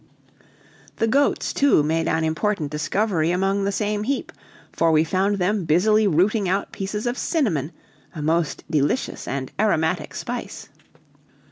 The goats, too, made an important discovery among the same heap, for we found them busily rooting out pieces of cinnamon, a most delicious and aromatic spice.